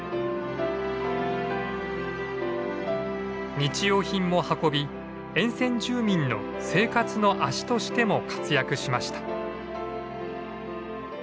日用品も運び沿線住民の生活の足としても活躍しました。